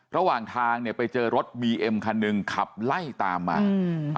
ระหว่างทางเนี่ยไปเจอรถบีเอ็มคันหนึ่งขับไล่ตามมาอืม